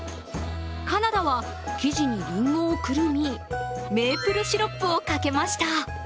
カナダは生地にりんごをくるみメープルシロップをかけました。